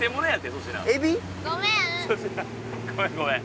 粗品ごめんごめん。